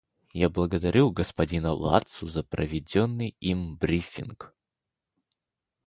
Я благодарю господина Ладсу за проведенный им брифинг.